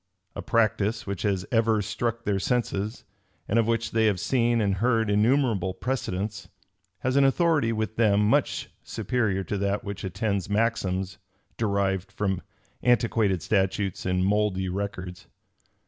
A practice which has ever struck their senses, and of which they have seen and heard innumerable precedents, has an authority with them much superior to that which attends maxims derived from antiquated statutes and mouldy records.